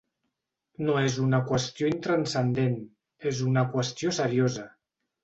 No és una qüestió intranscendent, és una qüestió seriosa.